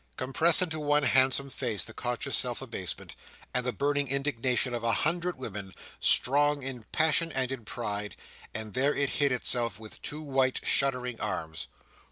Compress into one handsome face the conscious self abasement, and the burning indignation of a hundred women, strong in passion and in pride; and there it hid itself with two white shuddering arms.